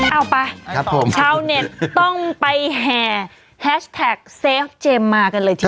เอาไปครับผมชาวเน็ตต้องไปแห่แฮชแท็กเซฟเจมมากันเลยที